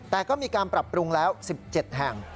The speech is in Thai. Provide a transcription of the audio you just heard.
แต่ก็มีการปรับปรุงแล้ว๑๗แห่ง